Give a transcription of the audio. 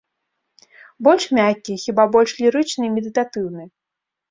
Больш мяккі, хіба больш лірычны і медытатыўны.